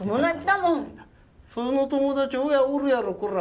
「その友達親おるやろコラ。